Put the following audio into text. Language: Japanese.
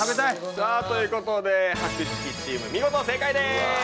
さあという事で博識チーム見事正解です！